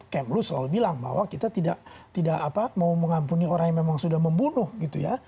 kemlu selalu bilang bahwa kita tidak mau mengampuni orang yang memang sudah membunuh gitu ya